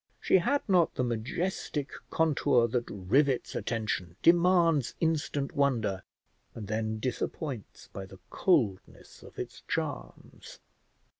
She had not the majestic contour that rivets attention, demands instant wonder, and then disappoints by the coldness of its charms.